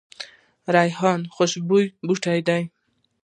ریحان خوشبویه بوټی دی